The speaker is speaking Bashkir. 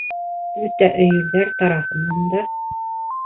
Бөтә өйөрҙәр тарафынан да.